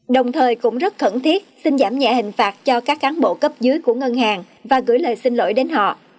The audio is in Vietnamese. đồng thời cũng rất khẩn thiết xin giảm nhẹ hình phạt cho các cán bộ cấp dưới của ngân hàng và gửi lời xin lỗi đến họ